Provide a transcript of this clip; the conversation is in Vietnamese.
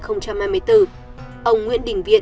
ông nguyễn đình viện